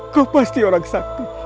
kau pasti orang sakti